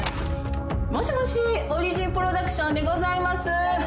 もしもしオリジン・プロダクションでございます。